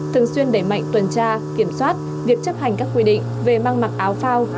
thường xuyên để mạnh tuần tra kiểm soát việc chấp hành các quy định về mang mặc áo phao